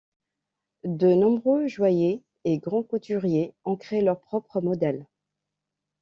De nombreux joailliers et grands couturiers ont créé leurs propres modèles.